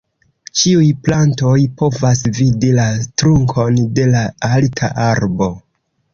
Ĉiuj plantoj povas vidi la trunkon de la alta arbo.